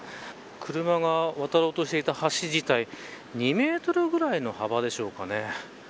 車が渡ろうとしていた橋自体２メートルぐらいの幅でしょうか。